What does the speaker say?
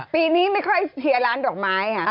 ปีนี้ไม่ค่อยเชียร์ร้านดอกไม้ค่ะ